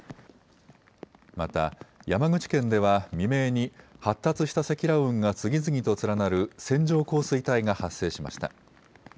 また山口県では未明に発達した積乱雲が次々と連なる線状降水帯が発生しました。